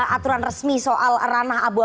aturan resmi soal ranah abu abu